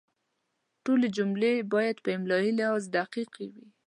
ټولې جملې باید په املایي لحاظ دقیقې وي.